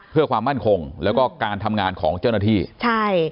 เพื่อความมั่นคงแล้วก็การทำงานของเจ้าหน้าที่ใช่